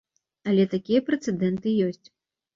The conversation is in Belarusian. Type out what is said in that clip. Але такія прэцэдэнты ёсць.